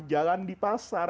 jalan di pasar